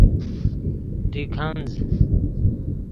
دیکنز